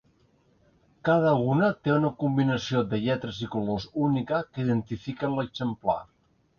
Cada una té una combinació de lletres i colors única que identifiquen l'exemplar.